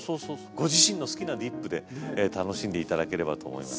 ご自身の好きなディップで楽しんで頂ければと思います。